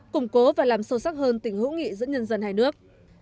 củng cố và làm sâu sắc hơn tình hữu nghị giữa nhân dân hai nước